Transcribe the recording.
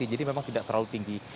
jadi memang tidak terlalu tinggi